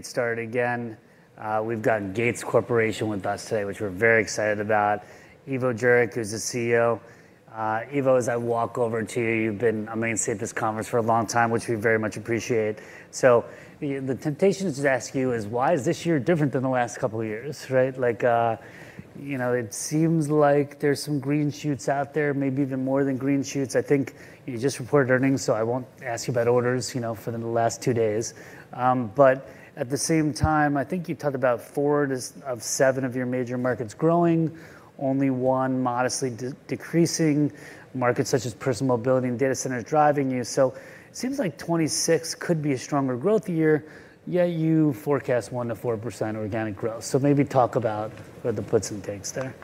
Get started again. We've got Gates Corporation with us today, which we're very excited about. Ivo Jurek, who's the CEO. Ivo, as I walk over to you, you've been a mainstay at this conference for a long time, which we very much appreciate. So the temptation to ask you is, why is this year different than the last couple of years, right? Like, you know, it seems like there's some green shoots out there, maybe even more than green shoots. I think you just reported earnings, so I won't ask you about orders, you know, for the last two days. But at the same time, I think you talked about four out of seven of your major markets growing, only one modestly decreasing, markets such as personal mobility and data center driving you. So it seems like 2026 could be a stronger growth year, yet you forecast 1%-4% organic growth. So maybe talk about what the puts and takes there.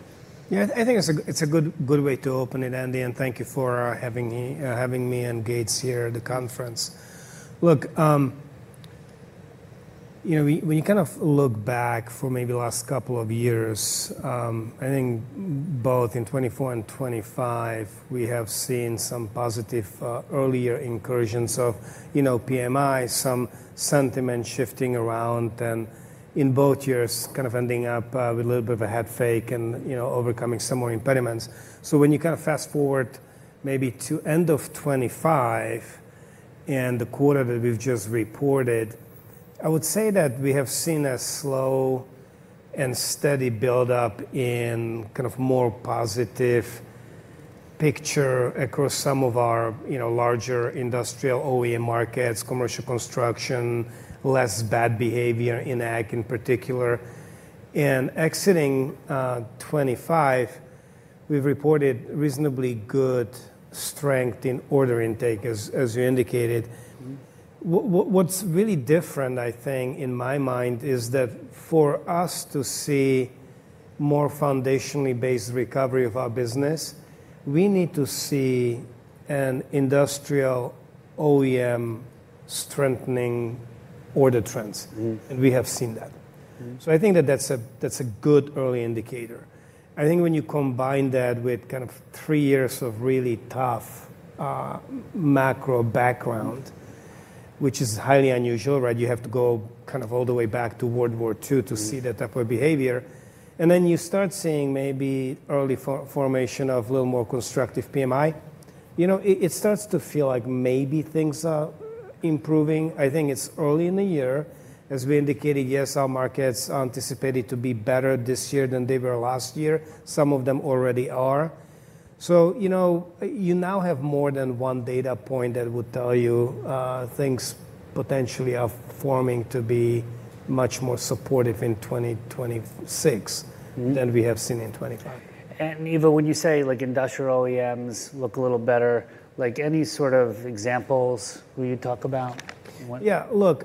Yeah, I think it's a good way to open it, Andy, and thank you for having me and Gates here at the conference. Look, you know, when you kind of look back for maybe the last couple of years, I think both in 2024 and 2025, we have seen some positive earlier incursions of, you know, PMI, some sentiment shifting around, and in both years, kind of ending up with a little bit of a head fake and, you know, overcoming some more impediments. So when you kind of fast-forward maybe to end of 2025 and the quarter that we've just reported, I would say that we have seen a slow and steady build-up in kind of more positive picture across some of our, you know, larger industrial OEM markets, commercial construction, less bad behavior in ag in particular. And exiting 2025, we've reported reasonably good strength in order intake, as you indicated. What’s really different, I think, in my mind, is that for us to see more foundationally based recovery of our business, we need to see an industrial OEM strengthening order trends, and we have seen that. So I think that's a good early indicator. I think when you combine that with kind of three years of really tough, macro background, which is highly unusual, right? You have to go kind of all the way back to World War II to see that type of behavior. And then you start seeing maybe early formation of a little more constructive PMI. You know, it starts to feel like maybe things are improving. I think it's early in the year. As we indicated, yes, our markets are anticipated to be better this year than they were last year. Some of them already are. So, you know, you now have more than one data point that would tell you, things potentially are forming to be much more supportive in 2026 than we have seen in 2025. Ivo, when you say, like, industrial OEMs look a little better, like, any sort of examples will you talk about? Yeah. Look,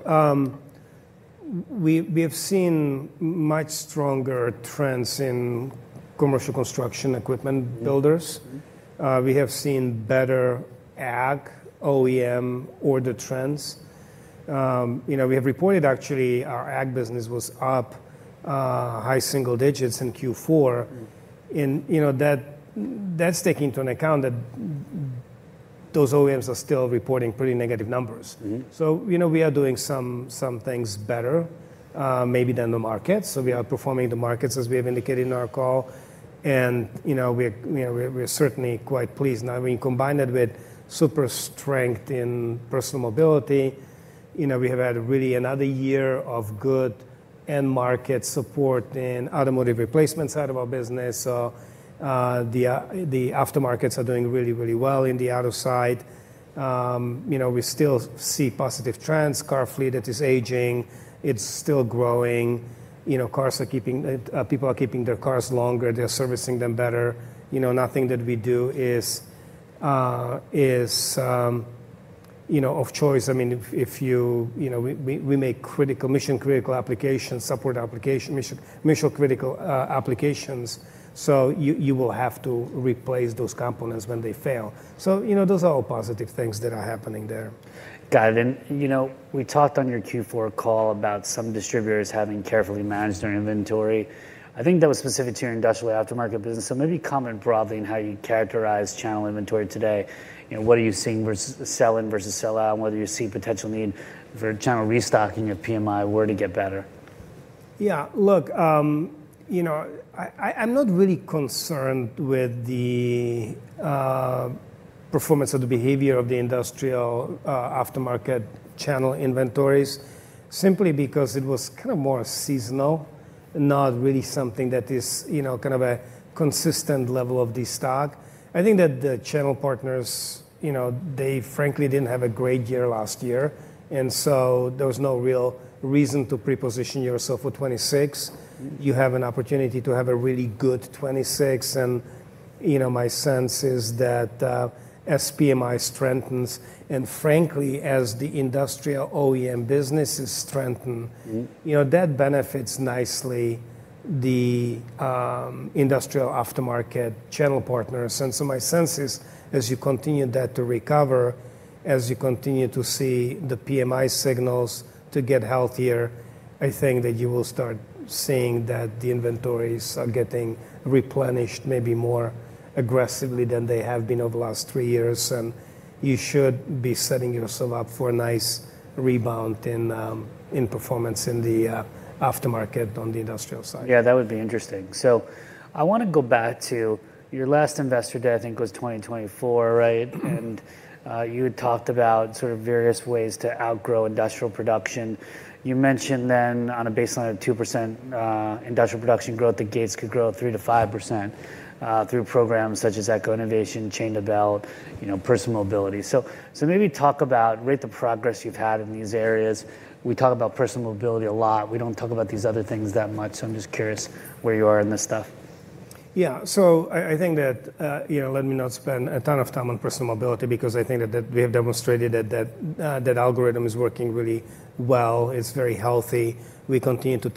we have seen much stronger trends in commercial construction equipment builders. We have seen better ag OEM order trends. You know, we have reported, actually, our ag business was up, high single digits in Q4. You know, that, that's taking into account that those OEMs are still reporting pretty negative numbers. So, you know, we are doing some things better, maybe than the market. So we are outperforming the markets, as we have indicated in our call, and, you know, we're certainly quite pleased. Now, when you combine that with super strength in personal mobility, you know, we have had really another year of good end market support in automotive replacement side of our business. So, the aftermarkets are doing really, really well in the auto side. You know, we still see positive trends. Car fleet that is aging, it's still growing. You know, cars are keeping. People are keeping their cars longer, they're servicing them better. You know, nothing that we do is, you know, of choice. I mean, if you know, we make critical, mission-critical applications, support application, mission-critical applications, so you will have to replace those components when they fail. You know, those are all positive things that are happening there. Got it. And, you know, we talked on your Q4 call about some distributors having carefully managed their inventory. I think that was specific to your industrial aftermarket business. So maybe comment broadly on how you characterize channel inventory today, and what are you seeing versus-- sell-in versus sell-out, and whether you see potential need for channel restocking if PMI were to get better? Yeah. Look, you know, I'm not really concerned with the performance or the behavior of the industrial aftermarket channel inventories, simply because it was kind of more seasonal, not really something that is, you know, kind of a consistent level of the stock. I think that the channel partners, you know, they frankly didn't have a great year last year, and so there was no real reason to pre-position yourself for 2026. You have an opportunity to have a really good 2026, and, you know, my sense is that as PMI strengthens and frankly, as the industrial OEM businesses strengthen you know, that benefits nicely, the industrial aftermarket channel partners. And so my sense is, as you continue that to recover, as you continue to see the PMI signals to get healthier, I think that you will start seeing that the inventories are getting replenished maybe more aggressively than they have been over the last three years, and you should be setting yourself up for a nice rebound in performance in the aftermarket on the industrial side. Yeah, that would be interesting. So I want to go back to your last Investor Day, I think, was 2024, right? You had talked about sort of various ways to outgrow industrial production. You mentioned then on a baseline of 2%, industrial production growth, that Gates could grow 3%-5%, through programs such as Eco-Innovation, Chain-to-Belt, you know, personal mobility. So, maybe talk about rate the progress you've had in these areas. We talk about personal mobility a lot. We don't talk about these other things that much, so I'm just curious where you are in this stuff. Yeah. So I think that, you know, let me not spend a ton of time on personal mobility, because I think that we have demonstrated that that algorithm is working really well. It's very healthy. We continue to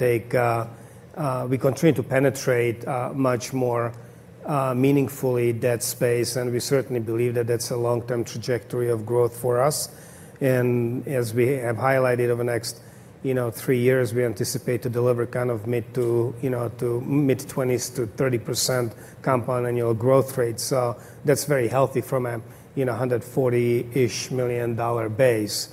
penetrate much more meaningfully that space, and we certainly believe that that's a long-term trajectory of growth for us. And as we have highlighted over the next, you know, three years, we anticipate to deliver kind of mid- to mid-20s to 30% compound annual growth rate. So that's very healthy from a, you know, $140 million-ish base.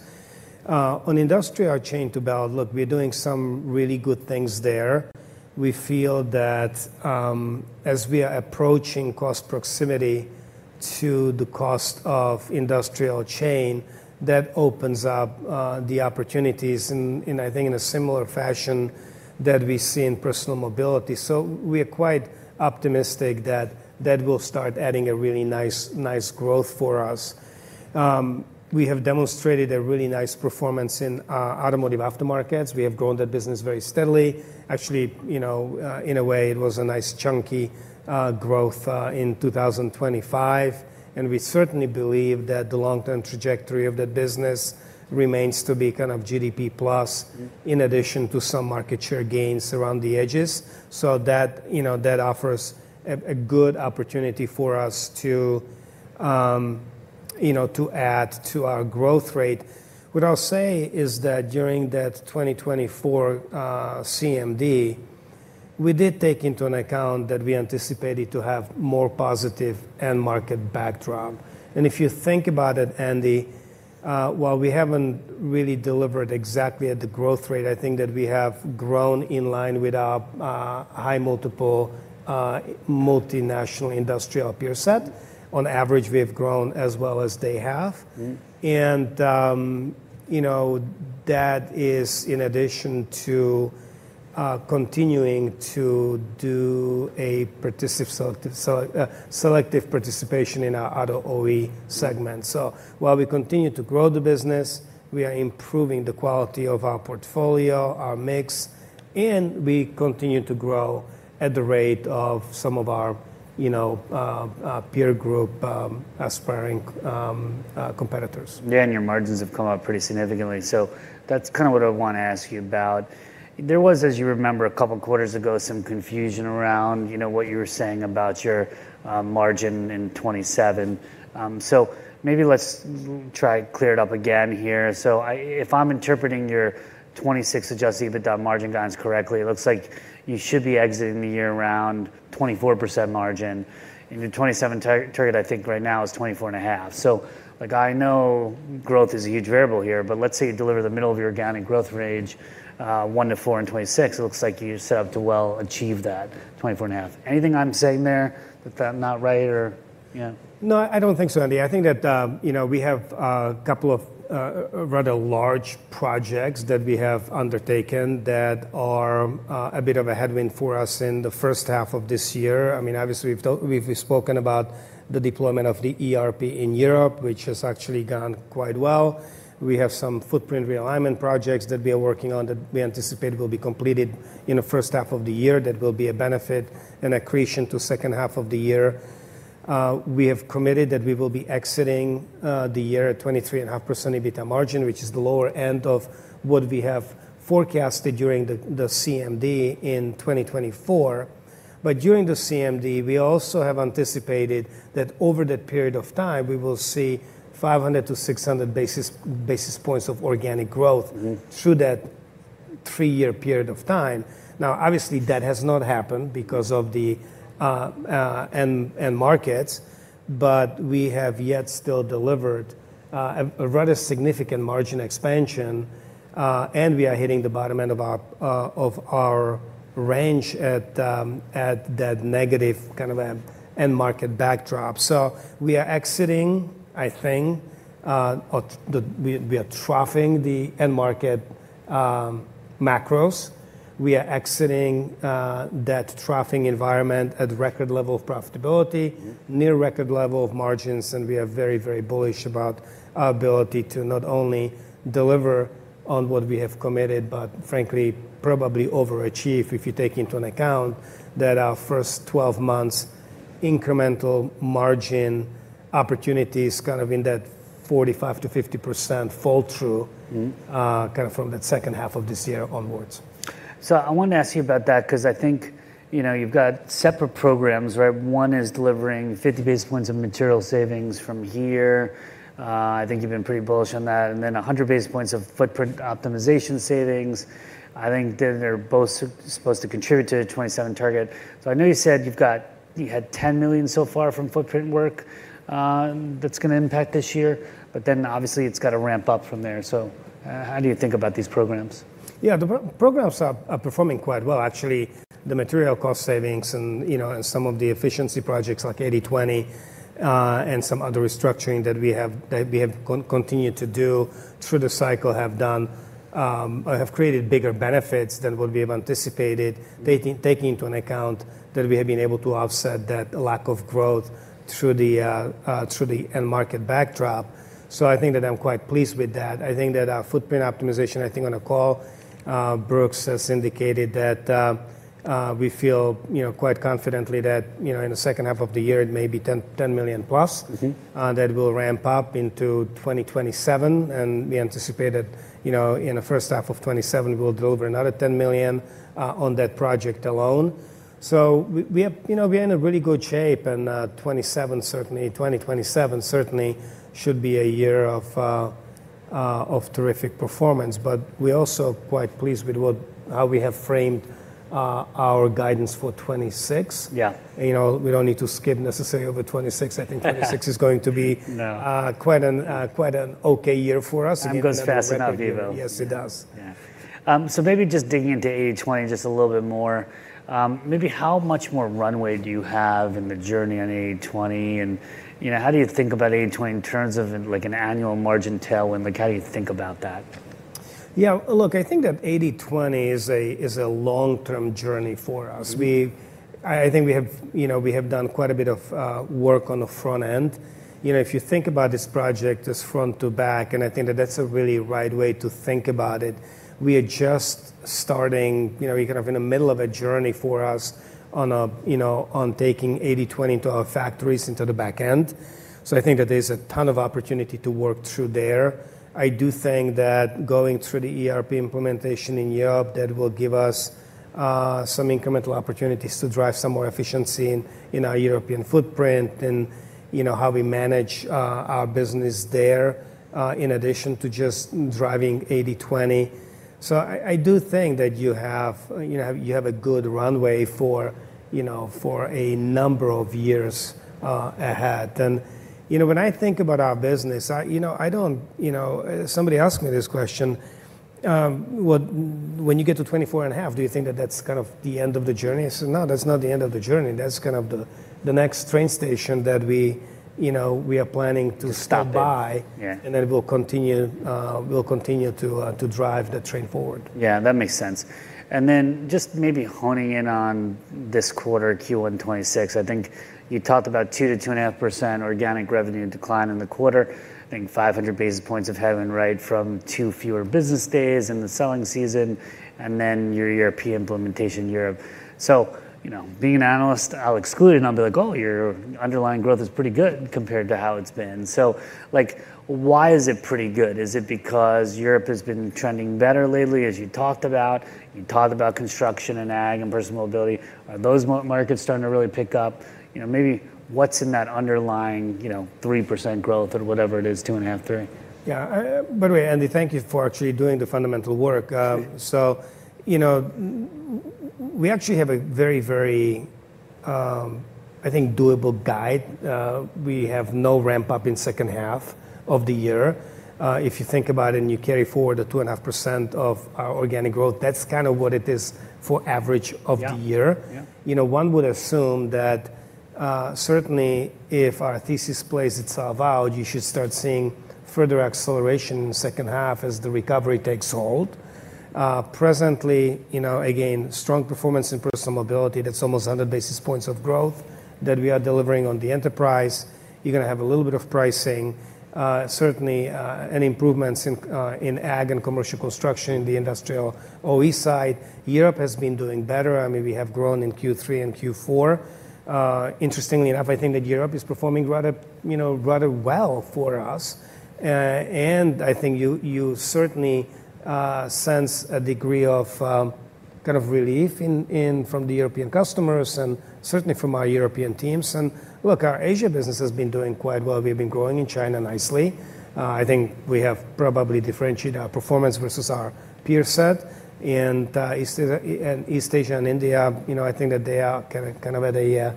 On industrial Chain-to-Belt, look, we're doing some really good things there. We feel that, as we are approaching cost proximity to the cost of industrial chain, that opens up the opportunities in, I think, in a similar fashion that we see in personal mobility. So we are quite optimistic that that will start adding a really nice growth for us. We have demonstrated a really nice performance in our automotive aftermarkets. We have grown that business very steadily. Actually, you know, in a way, it was a nice chunky growth in 2025, and we certainly believe that the long-term trajectory of that business remains to be kind of GDP plus in addition to some market share gains around the edges. So that, you know, that offers a good opportunity for us to, you know, to add to our growth rate. What I'll say is that during that 2024 CMD, we did take into account that we anticipated to have more positive end market backdrop. And if you think about it, Andy, while we haven't really delivered exactly at the growth rate, I think that we have grown in line with our high multiple multinational industrial peer set. On average, we have grown as well as they have. You know, that is in addition to continuing to do a selective participation in our auto OE segment. While we continue to grow the business, we are improving the quality of our portfolio, our mix, and we continue to grow at the rate of some of our, you know, peer group, competitors. Yeah, and your margins have come up pretty significantly, so that's kind of what I want to ask you about. There was, as you remember, a couple of quarters ago, some confusion around, you know, what you were saying about your margin in 2027. So maybe let's try to clear it up again here. So if I'm interpreting your 2026 adjusted EBITDA margin guidance correctly, it looks like you should be exiting the year around 24% margin, and your 2027 target, I think, right now is 24.5%. So, like, I know growth is a huge variable here, but let's say you deliver the middle of your organic growth range, 1%-4% in 2026. It looks like you set up to well achieve that 24.5%. Anything I'm saying there that I'm not right or, yeah? No, I don't think so, Andy. I think that, you know, we have a couple of rather large projects that we have undertaken that are a bit of a headwind for us in the first half of this year. I mean, obviously, we've spoken about the deployment of the ERP in Europe, which has actually gone quite well. We have some footprint realignment projects that we are working on that we anticipate will be completed in the first half of the year. That will be a benefit and accretion to second half of the year. We have committed that we will be exiting the year at 23.5% EBITDA margin, which is the lower end of what we have forecasted during the CMD in 2024. During the CMD, we also have anticipated that over that period of time, we will see 500-600 basis points of organic growth through that three-year period of time. Now, obviously, that has not happened because of the end markets, but we have yet still delivered a rather significant margin expansion, and we are hitting the bottom end of our range at that negative kind of end market backdrop. So we are exiting, I think, we are troughing the end market macros. We are exiting that troughing environment at record level of profitability near record level of margins, and we are very, very bullish about our ability to not only deliver on what we have committed, but frankly, probably overachieve, if you take into account that our first 12 months-- incremental margin opportunities kind of in that 45%-50% fall through kind of from that second half of this year onwards. So I wanted to ask you about that, 'cause I think, you know, you've got separate programs, right? One is delivering 50 basis points of material savings from here. I think you've been pretty bullish on that, and then 100 basis points of footprint optimization savings. I think that they're both supposed to contribute to the 2027 target. So I know you said you've got- you had $10 million so far from footprint work, that's gonna impact this year, but then obviously it's got to ramp up from there. So, how do you think about these programs? Yeah, the programs are performing quite well. Actually, the material cost savings and, you know, and some of the efficiency projects like 80/20, and some other restructuring that we have, that we have continued to do through the cycle, have created bigger benefits than what we have anticipated, taking into account that we have been able to offset that lack of growth through the end market backdrop. So I think that I'm quite pleased with that. I think that our footprint optimization, I think on the call, Brooks has indicated that we feel, you know, quite confidently that, you know, in the second half of the year, it may be $10 million+. That will ramp up into 2027, and we anticipate that, you know, in the first half of 2027, we'll deliver another $10 million on that project alone. So we have-- You know, we're in a really good shape, and 2027 certainly should be a year of terrific performance. But we're also quite pleased with how we have framed our guidance for 2026. You know, we don't need to skip necessarily over 2026. I think 2026 is going to be quite an, quite an okay year for us. Time goes fast enough, Ivo. Yes, it does. Yeah. So maybe just digging into 80/20 just a little bit more, maybe how much more runway do you have in the journey on 80/20? And, you know, how do you think about 80/20 in terms of, like, an annual margin tailwind? Like, how do you think about that? Yeah, look, I think that 80/20 is a long-term journey for us. I think we have, you know, we have done quite a bit of work on the front end. You know, if you think about this project as front to back, and I think that that's a really right way to think about it, we are just starting. You know, we're kind of in the middle of a journey for us on, you know, on taking 80/20 into our factories, into the back end. So I think that there's a ton of opportunity to work through there. I do think that going through the ERP implementation in Europe, that will give us some incremental opportunities to drive some more efficiency in our European footprint and, you know, how we manage our business there, in addition to just driving 80/20. So, I do think that you have a good runway for, you know, for a number of years ahead. And, you know, when I think about our business, you know, I don't-- You know, somebody asked me this question: "What- when you get to 24.5%, do you think that that's kind of the end of the journey?" I said, "No, that's not the end of the journey. That's kind of the next train station that we, you know, we are planning to stop by. And then we'll continue to drive the train forward. Yeah, that makes sense. Then just maybe honing in on this quarter, Q1 2026, I think you talked about 2%-2.5% organic revenue decline in the quarter. I think 500 basis points of having, right, from two fewer business days in the selling season, and then your European implementation, Europe. So, you know, being an analyst, I'll exclude it, and I'll be like: "Oh, your underlying growth is pretty good compared to how it's been." So, like, why is it pretty good? Is it because Europe has been trending better lately, as you talked about? You talked about construction, and ag, and personal mobility. Are those markets starting to really pick up? You know, maybe what's in that underlying, you know, 3% growth or whatever it is, 2.5%-3%? Yeah, by the way, Andy, thank you for actually doing the fundamental work. So, you know, we actually have a very, very, I think, doable guide. We have no ramp-up in second half of the year. If you think about it and you carry forward the 2.5% of our organic growth, that's kind of what it is for average of the year. Yeah, yeah. You know, one would assume that, certainly, if our thesis plays itself out, you should start seeing further acceleration in the second half as the recovery takes hold. Presently, you know, again, strong performance in personal mobility, that's almost 100 basis points of growth that we are delivering on the enterprise. You're gonna have a little bit of pricing, certainly, and improvements in, in ag and commercial construction in the industrial OE side. Europe has been doing better. I mean, we have grown in Q3 and Q4. Interestingly enough, I think that Europe is performing rather, you know, rather well for us. And I think you, you certainly, sense a degree of, kind of relief in from the European customers and certainly from our European teams. And look, our Asia business has been doing quite well. We've been growing in China nicely. I think we have probably differentiated our performance versus our peer set. East Asia and India, you know, I think that they are kind of at a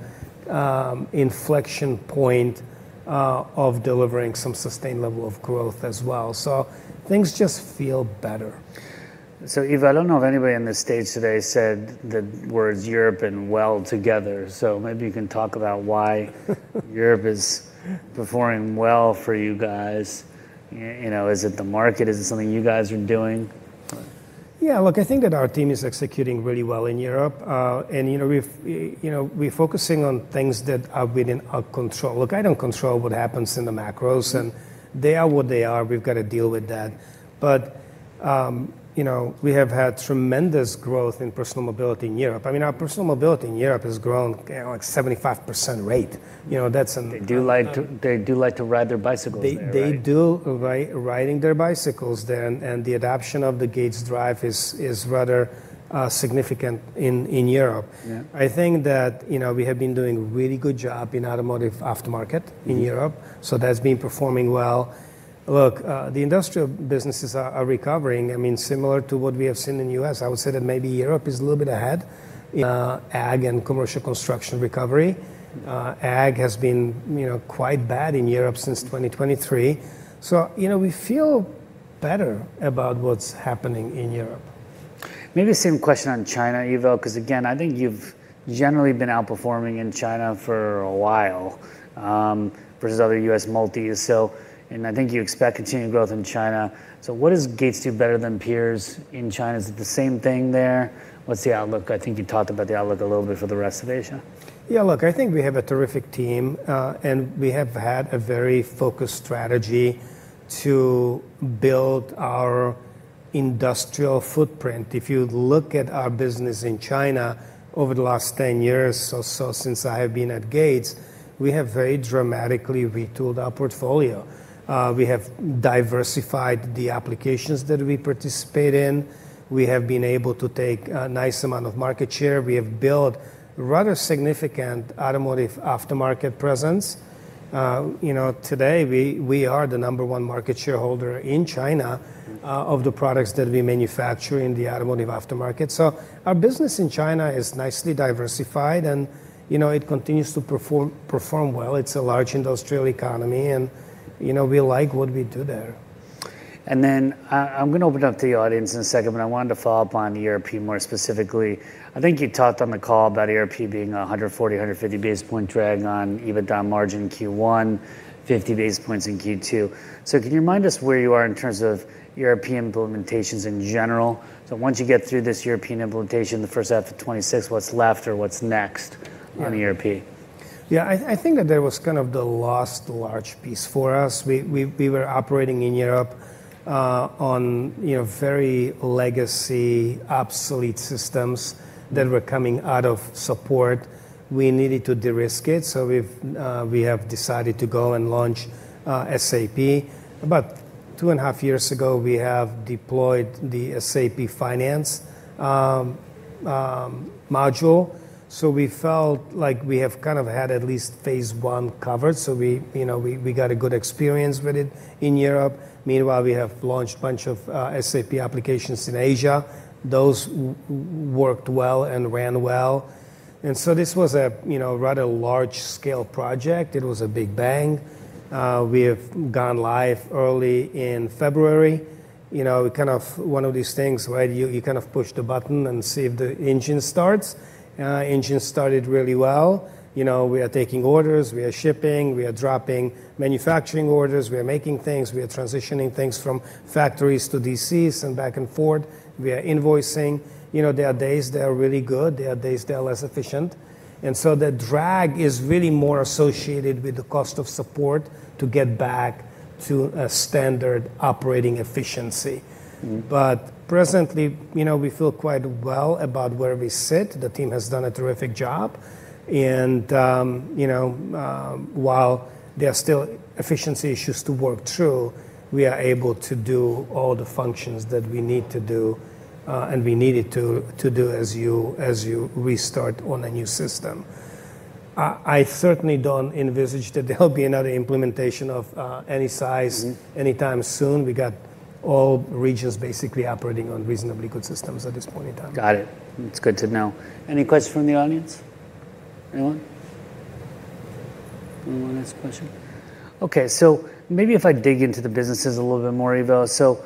inflection point of delivering some sustained level of growth as well. So things just feel better. So, Ivo, I don't know if anybody on this stage today said the words Europe and well together, so maybe you can talk about why Europe is performing well for you guys. You know, is it the market? Is it something you guys are doing? Yeah, look, I think that our team is executing really well in Europe. And, you know, we've, you know, we're focusing on things that are within our control. Look, I don't control what happens in the macros, and they are what they are. We've got to deal with that. But, you know, we have had tremendous growth in personal mobility in Europe. I mean, our personal mobility in Europe has grown at, like, 75% rate. You know, that's an-- They do like to, they do like to ride their bicycles there, right? They do like riding their bicycles there, and the adoption of the Gates drive is rather significant in Europe. I think that, you know, we have been doing a really good job in automotive aftermarket in Europe. So that's been performing well. Look, the industrial businesses are recovering. I mean, similar to what we have seen in the U.S. I would say that maybe Europe is a little bit ahead in ag and commercial construction recovery. Ag has been, you know, quite bad in Europe since 2023. So, you know, we feel better about what's happening in Europe. Maybe the same question on China, Ivo, 'cause again, I think you've generally been outperforming in China for a while, versus other U.S. multis, so, I think you expect continued growth in China. So what does Gates do better than peers in China? Is it the same thing there? What's the outlook? I think you talked about the outlook a little bit for the rest of Asia. Yeah, look, I think we have a terrific team, and we have had a very focused strategy to build our industrial footprint. If you look at our business in China over the last 10 years or so, since I have been at Gates, we have very dramatically retooled our portfolio. We have diversified the applications that we participate in. We have been able to take a nice amount of market share. We have built rather significant automotive aftermarket presence. You know, today, we, we are the number one market shareholder in China, of the products that we manufacture in the automotive aftermarket. So our business in China is nicely diversified, and, you know, it continues to perform, perform well. It's a large industrial economy, and, you know, we like what we do there. And then, I'm gonna open it up to the audience in a second, but I wanted to follow up on ERP more specifically. I think you talked on the call about ERP being a 140-150 basis points drag on EBITDA margin in Q1, 50 basis points in Q2. So can you remind us where you are in terms of European implementations in general? So once you get through this European implementation, the first half of 2026, what's left or what's next on ERP? Yeah, I think that that was kind of the last large piece for us. We were operating in Europe on, you know, very legacy, obsolete systems that were coming out of support. We needed to de-risk it, so we've decided to go and launch SAP. About 2.5 years ago, we have deployed the SAP finance module. We felt like we have kind of had at least phase one covered, so we got a good experience with it in Europe. Meanwhile, we have launched a bunch of SAP applications in Asia. Those worked well and ran well. This was a rather large-scale project. It was a big bang. We have gone live early in February. You know, kind of one of these things, right? You kind of push the button and see if the engine starts. Engine started really well. You know, we are taking orders, we are shipping, we are dropping manufacturing orders, we are making things, we are transitioning things from factories to DCs and back and forth. We are invoicing. You know, there are days that are really good, there are days that are less efficient. And so the drag is really more associated with the cost of support to get back to a standard operating efficiency. But presently, you know, we feel quite well about where we sit. The team has done a terrific job, and, you know, while there are still efficiency issues to work through, we are able to do all the functions that we need to do, and we needed to do as you restart on a new system. I certainly don't envisage that there'll be another implementation of any size anytime soon. We got all regions basically operating on reasonably good systems at this point in time. Got it. It's good to know. Any questions from the audience? Anyone? Anyone want to ask a question? Okay, so maybe if I dig into the businesses a little bit more, Ivo. So,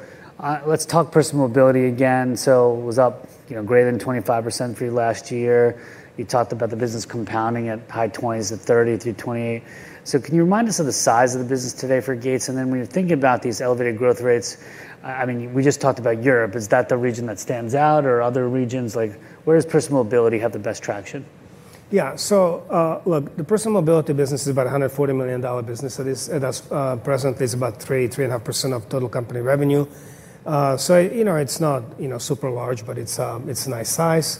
let's talk personal mobility again. So it was up, you know, greater than 25% for you last year. You talked about the business compounding at high 20s, 30% to 20%. So can you remind us of the size of the business today for Gates? And then when you're thinking about these elevated growth rates, I mean, we just talked about Europe. Is that the region that stands out, or other regions, like, where does personal mobility have the best traction? Yeah. So, look, the personal mobility business is about a $140 million business. That is, that's, presently, it's about 3%-3.5% of total company revenue. So, you know, it's not, you know, super large, but it's, it's a nice size.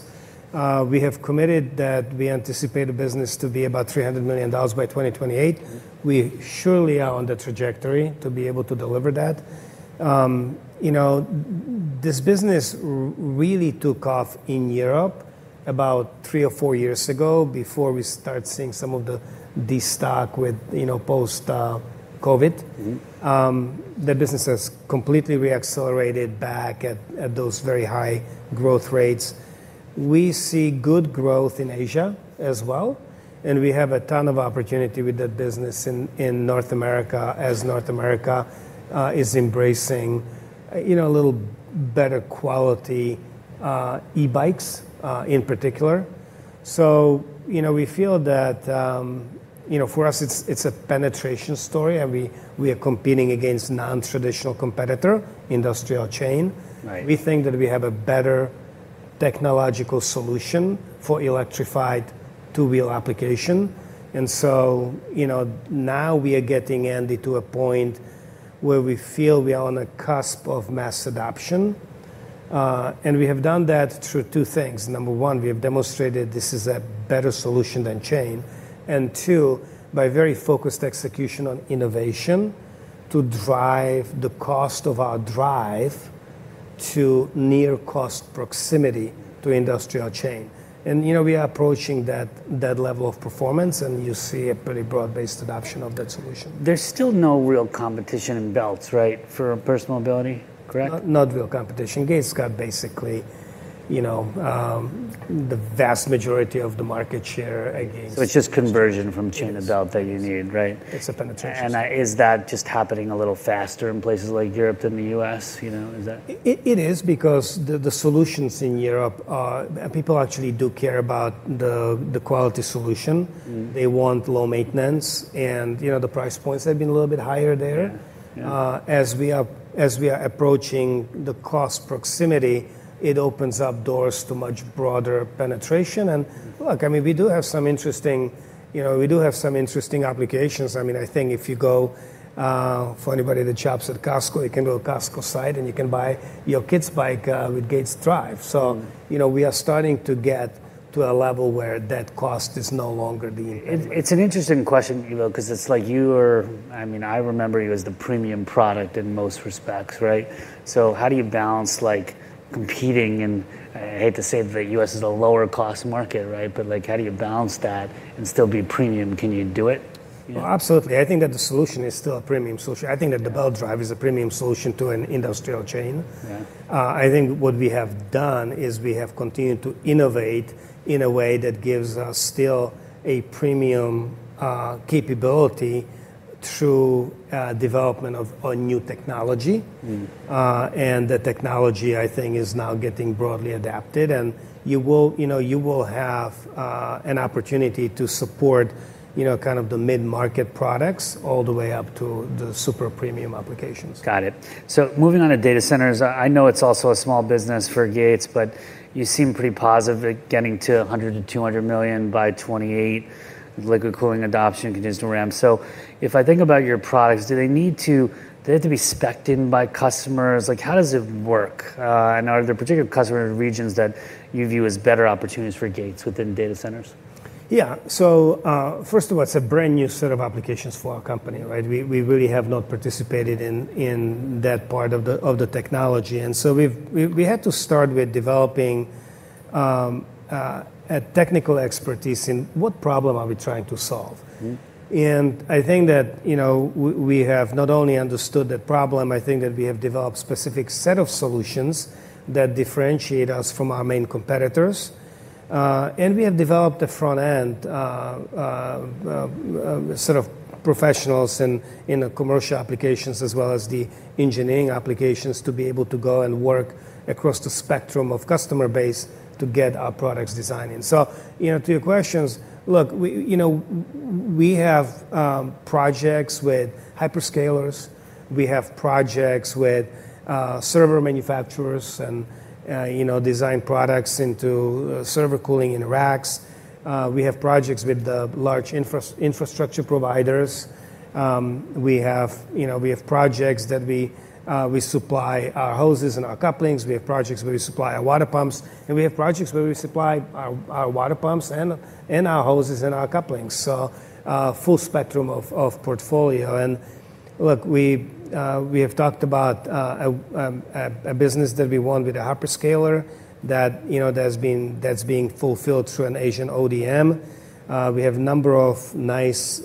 We have committed that we anticipate the business to be about $300 million by 2028. We surely are on the trajectory to be able to deliver that. You know, this business really took off in Europe about three or four years ago, before we started seeing some of the stock with, you know, post COVID. The business has completely re-accelerated back at those very high growth rates. We see good growth in Asia as well, and we have a ton of opportunity with that business in North America, as North America is embracing you know, a little better quality e-bikes in particular. So, you know, we feel that, you know, for us, it's a penetration story, and we are competing against non-traditional competitor, industrial chain. Right. We think that we have a better technological solution for electrified two-wheel application. And so, you know, now we are getting, Andy, to a point where we feel we are on the cusp of mass adoption. And we have done that through two things: number one, we have demonstrated this is a better solution than chain, and two, by very focused execution on innovation to drive the cost of our drive to near cost proximity to industrial chain. And, you know, we are approaching that level of performance, and you see a pretty broad-based adoption of that solution. There's still no real competition in belts, right? For personal mobility, correct? Not, not real competition. Gates' got basically, you know, the vast majority of the market share against-- Which is conversion from Chain-to-Belt that you need, right? It's a penetration. Is that just happening a little faster in places like Europe than the U.S., you know, is that-- It is because the solutions in Europe are. People actually do care about the quality solution. They want low maintenance, and, you know, the price points have been a little bit higher there. As we are approaching the cost parity, it opens up doors to much broader penetration. And look, I mean, we do have some interesting, you know, we do have some interesting applications. I mean, I think if you go for anybody that shops at Costco, you can go to Costco site, and you can buy your kids' bike with Gates drive. You know, we are starting to get to a level where that cost is no longer the inhibitor. It's an interesting question, Ivo, 'cause it's like you are, I mean, I remember you as the premium product in most respects, right? So how do you balance, like, competing in, I hate to say it, the U.S. is a lower cost market, right? But like, how do you balance that and still be premium? Can you do it? You know. Absolutely. I think that the solution is still a premium solution. I think that the belt drive is a premium solution to an industrial chain. I think what we have done is we have continued to innovate in a way that gives us still a premium capability through development of a new technology. And the technology, I think, is now getting broadly adapted, and you will-- You know, you will have an opportunity to support, you know, kind of the mid-market products all the way up to the super premium applications. Got it. So moving on to data centers, I know it's also a small business for Gates, but you seem pretty positive that getting to $100 million-$200 million by 2028, liquid cooling adoption, additional TAM. So if I think about your products, do they need to- do they have to be specced in by customers? Like, how does it work? And are there particular customer regions that you view as better opportunities for Gates within data centers? Yeah. So, first of all, it's a brand-new set of applications for our company, right? We really have not participated in that part of the technology. And so we've had to start with developing a technical expertise in what problem are we trying to solve. And I think that, you know, we have not only understood the problem, I think that we have developed a specific set of solutions that differentiate us from our main competitors. And we have developed a front end, sort of professionals in the commercial applications, as well as the engineering applications, to be able to go and work across the spectrum of customer base to get our products designed in. So, you know, to your questions, look, we, you know, we have projects with hyperscalers, we have projects with server manufacturers and, you know, design products into server cooling in racks. We have projects with the large infrastructure providers. We have, you know, we have projects that we supply our hoses and our couplings. We have projects where we supply our water pumps, and we have projects where we supply our water pumps and our hoses, and our couplings. So, full spectrum of portfolio. And look, we have talked about a business that we won with a hyperscaler, that, you know, that's being fulfilled through an Asian ODM. We have a number of nice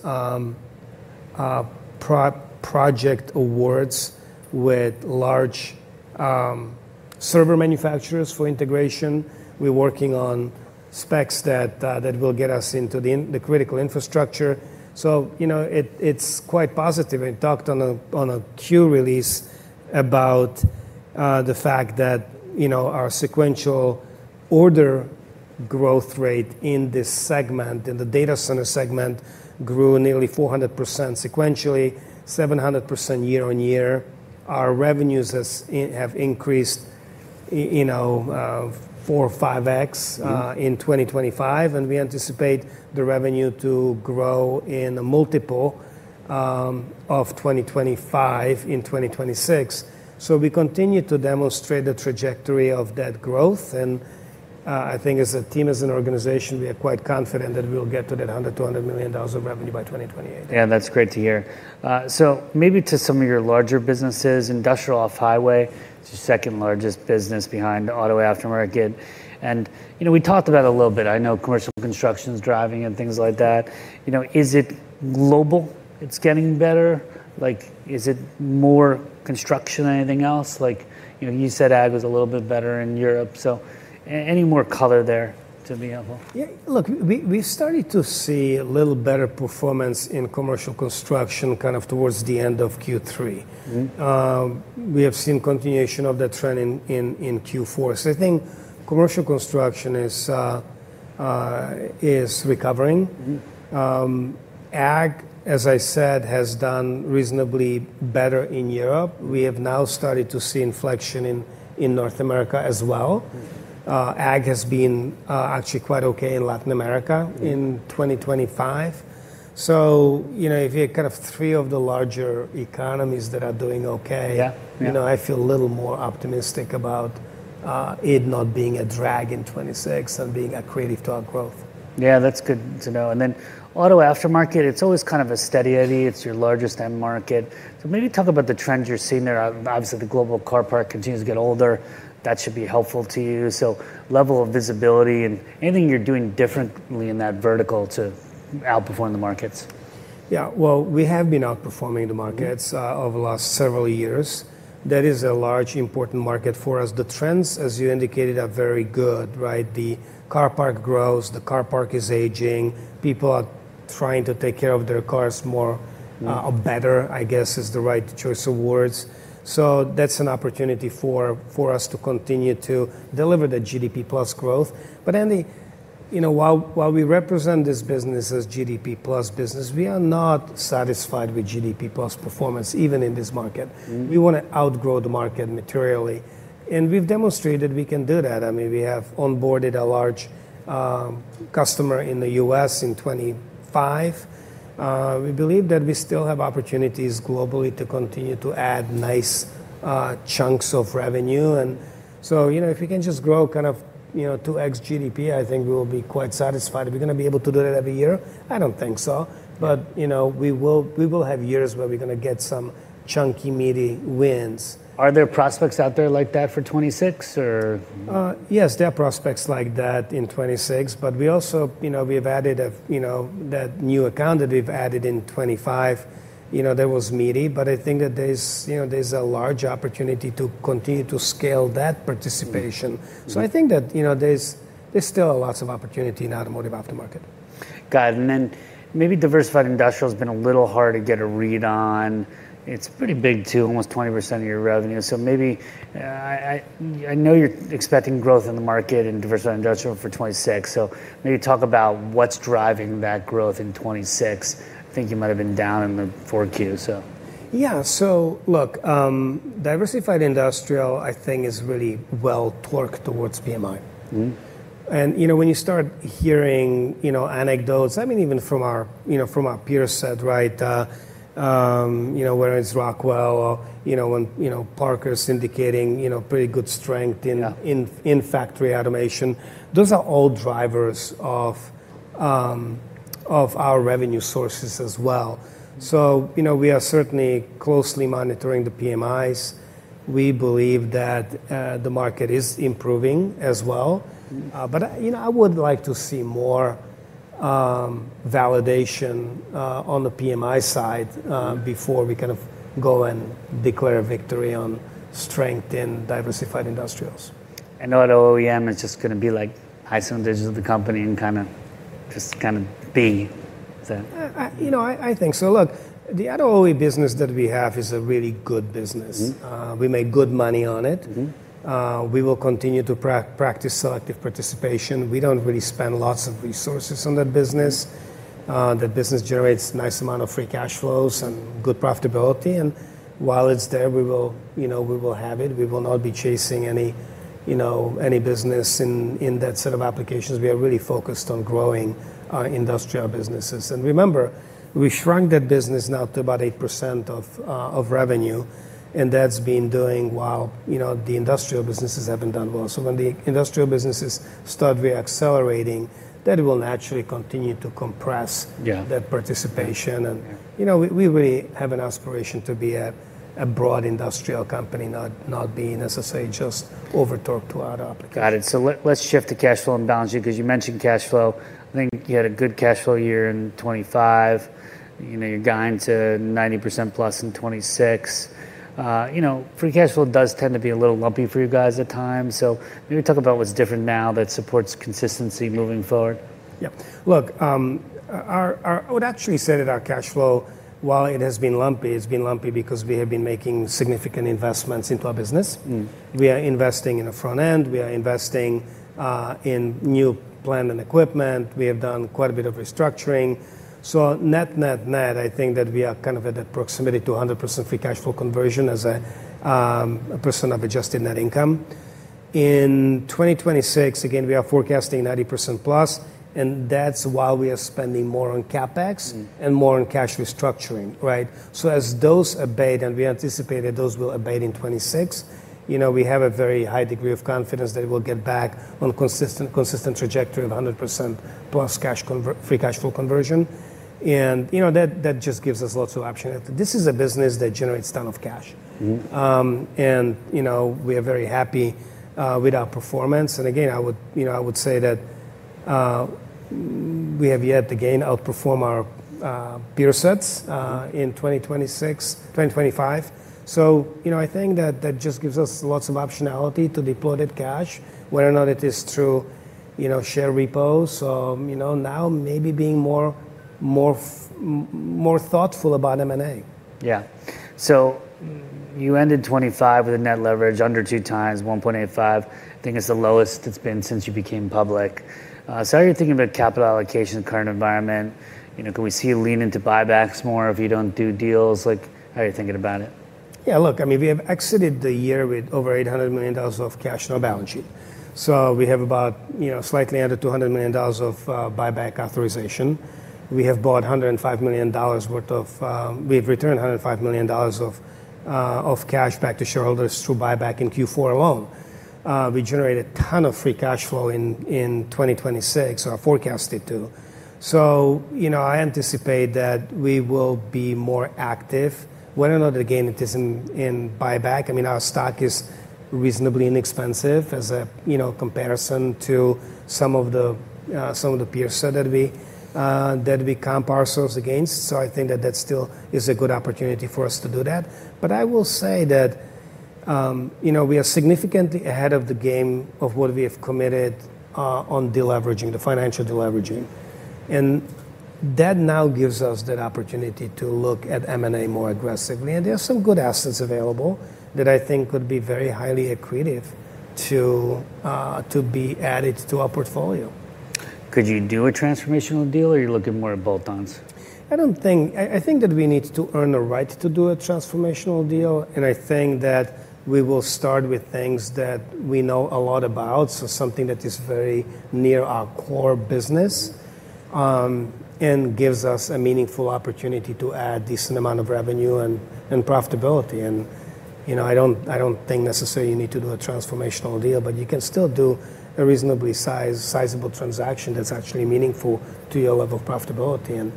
project awards with large server manufacturers for integration. We're working on specs that will get us into the critical infrastructure. So, you know, it's quite positive. I talked on a Q release about the fact that, you know, our sequential order growth rate in this segment, in the data center segment, grew nearly 400% sequentially, 700% year-on-year. Our revenues have increased, you know, 4x or 5x in 2025, and we anticipate the revenue to grow in a multiple of 2025 in 2026. So we continue to demonstrate the trajectory of that growth. And, I think as a team, as an organization, we are quite confident that we will get to that $100 million-$200 million of revenue by 2028. Yeah, that's great to hear. So maybe to some of your larger businesses, Industrial Off-Highway, it's the second largest business behind the Aftermarket. And, you know, we talked about it a little bit. I know commercial construction is driving and things like that. You know, is it global, it's getting better? Like, is it more construction than anything else? Like, you know, you said ag was a little bit better in Europe, so any more color there to be able? Yeah, look, we started to see a little better performance in commercial construction kind of towards the end of Q3. We have seen continuation of that trend in Q4. So I think commercial construction is recovering. Ag, as I said, has done reasonably better in Europe. We have now started to see inflection in North America as well. Ag has been, actually quite okay in Latin America. in 2025. So, you know, if you have kind of three of the larger economies that are doing okay, you know, I feel a little more optimistic about it not being a drag in 2026 and being accretive to our growth. Yeah, that's good to know. And then auto aftermarket, it's always kind of a steady eddy. It's your largest end market. So maybe talk about the trends you're seeing there. Obviously, the global car park continues to get older. That should be helpful to you. So level of visibility and anything you're doing differently in that vertical to outperform the markets. Yeah. Well, we have been outperforming the markets over the last several years. That is a large, important market for us. The trends, as you indicated, are very good, right? The car park grows, the car park is aging. People are trying to take care of their cars more better, I guess, is the right choice of words. So that's an opportunity for us to continue to deliver the GDP-plus growth. But then the-- You know, while we represent this business as GDP-plus business, we are not satisfied with GDP-plus performance, even in this market. We wanna outgrow the market materially, and we've demonstrated we can do that. I mean, we have onboarded a large customer in the U.S. in 2025. We believe that we still have opportunities globally to continue to add nice chunks of revenue. And so, you know, if we can just grow kind of, you know, 2x GDP, I think we will be quite satisfied. Are we gonna be able to do that every year? I don't think so. But, you know, we will, we will have years where we're gonna get some chunky, meaty wins. Are there prospects out there like that for 2026 or? Yes, there are prospects like that in 2026. But we also-- You know, we've added a, you know, that new account that we've added in 2025, you know, that was meaty, but I think that there's, you know, there's a large opportunity to continue to scale that participation. I think that, you know, there's still lots of opportunity in automotive aftermarket. Got it. Then maybe diversified industrial's been a little hard to get a read on. It's pretty big, too, almost 20% of your revenue. So maybe, I know you're expecting growth in the market in diversified industrial for 2026, so maybe talk about what's driving that growth in 2026. I think you might have been down in the 4Q, so. Yeah. So look, diversified industrial, I think, is really well torqued towards PMI. You know, when you start hearing, you know, anecdotes, I mean, even from our, you know, from our peer set, right, you know, whereas Rockwell, you know, when, you know, Parker is indicating, you know, pretty good strength in factory automation, those are all drivers of our revenue sources as well. So, you know, we are certainly closely monitoring the PMIs. We believe that the market is improving as well. But, you know, I would like to see more validation on the PMI side before we kind of go and declare victory on strength in diversified industrials. Auto OEM is just gonna be like, high single digit company, and kinda just, kinda be the-- You know, I think so. Look, the auto OE business that we have is a really good business. We make good money on it. We will continue to practice selective participation. We don't really spend lots of resources on that business. That business generates nice amount of free cash flows and good profitability. And while it's there, we will, you know, we will have it. We will not be chasing any, you know, any business in that set of applications. We are really focused on growing our industrial businesses. And remember, we shrunk that business now to about 8% of revenue, and that's been doing well. You know, the industrial businesses haven't done well. So when the industrial businesses start re-accelerating, that will naturally continue to compress that participation. Yeah. You know, we really have an aspiration to be a broad industrial company, not being, as I say, just overtorqued to auto applications. Got it. So let's shift to cash flow and balance sheet, because you mentioned cash flow. I think you had a good cash flow year in 2025. You know, you're guiding to +90% in 2026. You know, free cash flow does tend to be a little lumpy for you guys at times, so maybe talk about what's different now that supports consistency moving forward. Yeah. Look, I would actually say that our cash flow, while it has been lumpy, it's been lumpy because we have been making significant investments into our business. We are investing in the front end. We are investing in new plant and equipment. We have done quite a bit of restructuring. So net, net-net, I think that we are kind of at a proximity to 100% free cash flow conversion as a person of adjusted net income. In 2026, again, we are forecasting +90%, and that's while we are spending more on CapEx and more on cash restructuring, right? So as those abate, and we anticipate that those will abate in 2026, you know, we have a very high degree of confidence that we'll get back on a consistent, consistent trajectory of +100% free cash flow conversion. And, you know, that, that just gives us lots of options. This is a business that generates ton of cash. And, you know, we are very happy with our performance. Again, I would, you know, I would say that we have yet to gain, outperform our peer sets in 2026, 2025. So, you know, I think that that just gives us lots of optionality to deploy that cash, whether or not it is through, you know, share repos or, you know, now maybe being more thoughtful about M&A. Yeah. So you ended 2025 with a net leverage under 2x, 1.85x, I think it's the lowest it's been since you became public. So how are you thinking about capital allocation in the current environment? You know, can we see you lean into buybacks more if you don't do deals? Like, how are you thinking about it? Yeah, look, I mean, we have exited the year with over $800 million of cash on our balance sheet. So we have about, you know, slightly under $200 million of buyback authorization. We've returned $105 million of cash back to shareholders through buyback in Q4 alone. We generated a ton of free cash flow in 2026, or are forecasted to. So, you know, I anticipate that we will be more active, whether or not, again, it is in buyback. I mean, our stock is reasonably inexpensive as a, you know, comparison to some of the, some of the peers so that we, that we comp ourselves against. So I think that that still is a good opportunity for us to do that. But I will say that, you know, we are significantly ahead of the game of what we have committed, on deleveraging, the financial deleveraging. That now gives us that opportunity to look at M&A more aggressively. There are some good assets available that I think could be very highly accretive to, to be added to our portfolio. Could you do a transformational deal, or are you looking more at bolt-ons? I think that we need to earn the right to do a transformational deal, and I think that we will start with things that we know a lot about, so something that is very near our core business, and gives us a meaningful opportunity to add decent amount of revenue and profitability. You know, I don't think necessarily you need to do a transformational deal, but you can still do a reasonably sizable transaction that's actually meaningful to your level of profitability,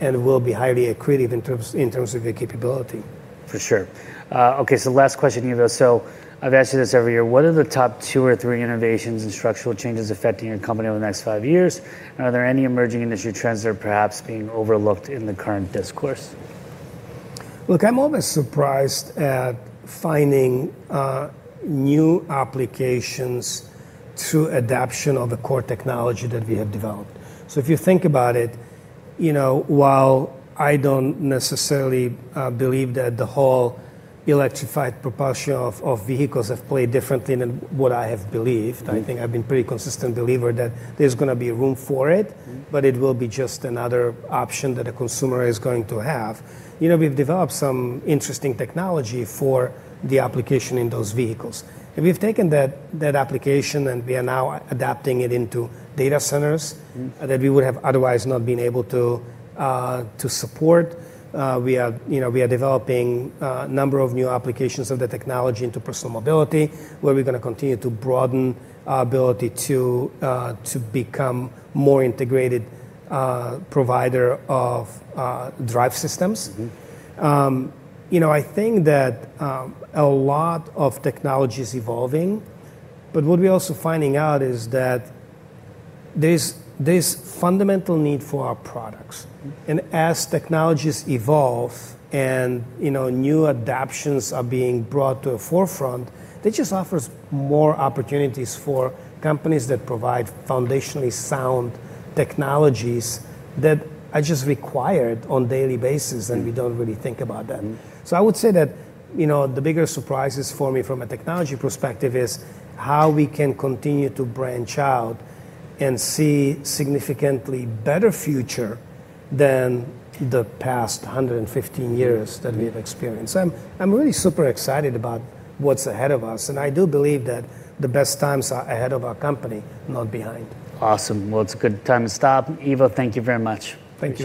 and will be highly accretive in terms of the capability. For sure. Okay, so last question, Ivo. So I've asked you this every year: What are the top two or three innovations and structural changes affecting your company over the next five years? And are there any emerging industry trends that are perhaps being overlooked in the current discourse? Look, I'm always surprised at finding new applications through adaptation of the core technology that we have developed. So if you think about it, you know, while I don't necessarily believe that the whole electrified propulsion of vehicles have played differently than what I have believed, I think I've been pretty consistent believer that there's gonna be room for it but it will be just another option that a consumer is going to have. You know, we've developed some interesting technology for the application in those vehicles. And we've taken that, that application, and we are now adapting it into data centers that we would have otherwise not been able to support. We are, you know, we are developing a number of new applications of the technology into personal mobility, where we're gonna continue to broaden our ability to become more integrated provider of drive systems. You know, I think that a lot of technology is evolving, but what we're also finding out is that there's fundamental need for our products. As technologies evolve and, you know, new adoptions are being brought to the forefront, that just offers more opportunities for companies that provide foundationally sound technologies that are just required on daily basis and we don't really think about them. So I would say that, you know, the bigger surprises for me from a technology perspective is how we can continue to branch out and see significantly better future than the past 115 years that we have experienced. I'm really super excited about what's ahead of us, and I do believe that the best times are ahead of our company, not behind. Awesome. Well, it's a good time to stop. Ivo, thank you very much. Thank you.